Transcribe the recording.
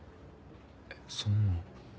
えっそんな。